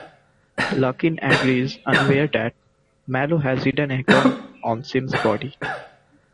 Larkin agrees, unaware that Malloy has hidden a gun on Sims' body.